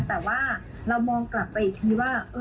แต่ว่าเรามองกลับไปอีกทีว่า